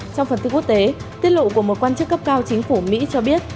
trong phần tin quốc tế tiết lộ của một quan chức cấp cao chính phủ mỹ cho biết